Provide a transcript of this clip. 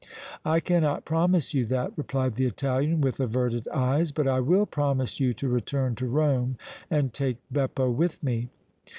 "I cannot promise you that," replied the Italian, with averted eyes, "but I will promise you to return to Rome and take Beppo with me."